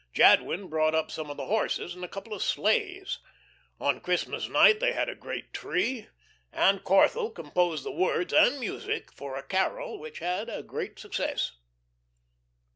Jadwin brought up some of the horses and a couple of sleighs. On Christmas night they had a great tree, and Corthell composed the words and music for a carol which had a great success.